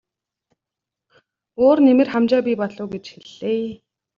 Өөр нэмэр хамжаа бий болов уу гэж хэллээ.